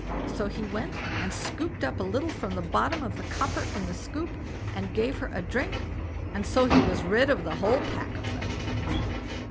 So, he went and scooped up a little from the bottom of the copper in a scoop, and gave her a drink, and so he was rid of the whole pack of them.